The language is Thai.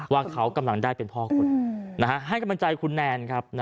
ว่าเขากำลังได้เป็นพ่อคุณให้กำลังใจคุณแนนครับ